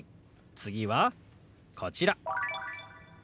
次はこちら。